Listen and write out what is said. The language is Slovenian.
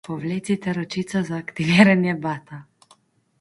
Povlecite ročico za aktiviranje bata.